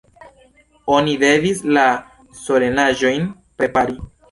Oni devis la solenaĵojn prepari.